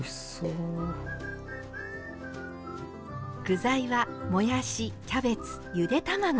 具材はもやしキャベツゆで卵。